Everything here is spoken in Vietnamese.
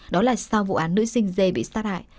đó là sau vụ án nữ sinh dê bị sát hại